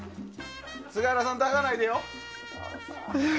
菅原さんを抱かないでよ。